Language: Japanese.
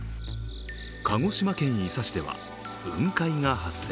鹿児島県伊佐市では、雲海が発生。